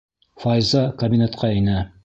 Файза кабинетҡа инә.